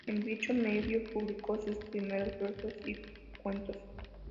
En dicho medio publicó sus primeros versos y cuentos.